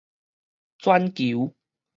轉求